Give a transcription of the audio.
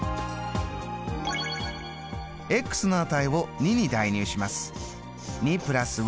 の値を２に代入します。